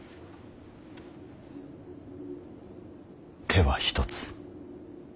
手は一つ。